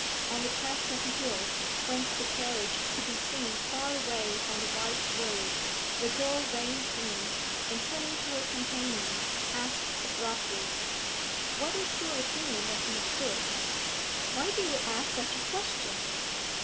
On the crest of a hill, whence the carriage could be seen far away on the white road, the girl reined in, and, turning to her companion, asked abruptly 'What is your opinion of Miss Hood?' 'Why do you ask such a question?'